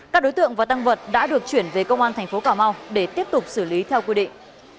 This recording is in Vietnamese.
các đối tượng và tăng vật đã được chuyển về công an thành phố cà mau để tiếp tục xử lý theo quy định